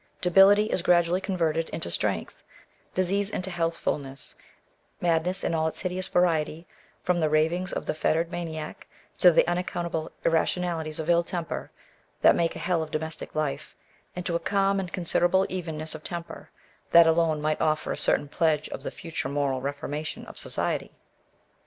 Debility is gradually converted into strength, disease into healthful ness : madness, in all its hideous variety, from the ravings of the fettered maniac, to the unaccountable irrationalities of ill temper, that make a hell of domestic life, into a calm and considerable evenness of temper, that alone might oflFer a certain pledge of the future moral reformation of society.